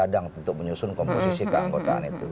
kadang untuk menyusun komposisi keanggotaan itu